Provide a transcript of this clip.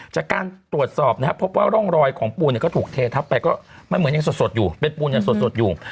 จากการตรวจสอบนะครับพบว่าร่องรอยของปูนก็ถูกเททับไปก็มันเหมือนยังสดอยู่เป็นปูนยังสดอยู่